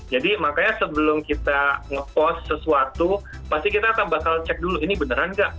jadi makanya sebelum kita ngepost sesuatu pasti kita akan bakal cek dulu ini beneran nggak